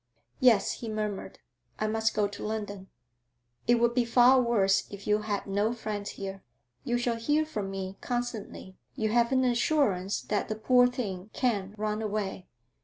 'Yes,' he murmured, 'I must go to London.' 'It would be far worse if you had no friend here. You shall hear from me constantly. You have an assurance that the poor thing can't run away.'